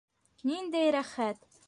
Ниндәй рәхәт!